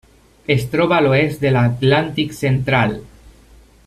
Es troba a l'oest de l'Atlàntic central.